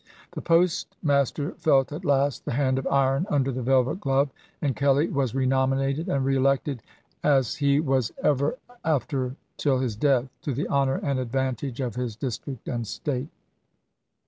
The postmaster felt at last the UgMs. hand of iron under the velvet glove, and Kelley was renominated and reelected, as he was ever 364 ABRAHAM LINCOLN chap. xvi. after till his death — to the honor and advantage of his district and State.